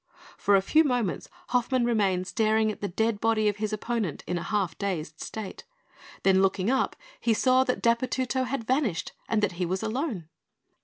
For a few moments, Hoffmann remained staring at the dead body of his opponent in a half dazed state; then, looking up, he saw that Dapurtutto had vanished, and that he was alone.